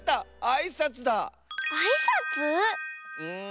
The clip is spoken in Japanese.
あいさつ？ん。